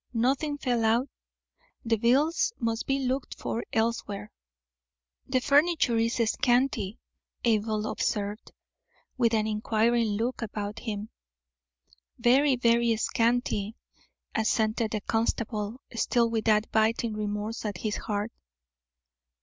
Nothing fell out; the bills must be looked for elsewhere. "The furniture is scanty," Abel observed, with an inquiring look about him. "Very, very scanty," assented the constable, still with that biting remorse at his heart.